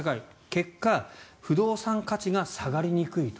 結果、不動産価値が下がりにくいと。